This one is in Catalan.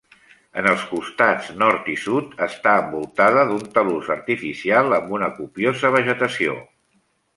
En els costats nord i sud està envoltada d'un talús artificial amb una copiosa vegetació.